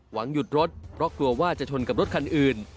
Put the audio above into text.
หวังหยุดรถปลอกตัวว่าจะชนกับรถคันอื่น